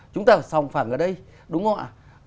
chúng ta sòng phẳng ở đây đúng không ạ